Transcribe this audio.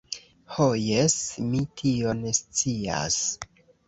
Ho, jes, mi tion scias.